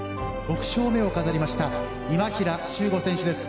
６勝目を飾りました今平周吾選手です。